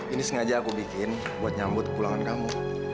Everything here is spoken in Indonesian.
ini sengaja aku bikin buat nyambut pulangan kamu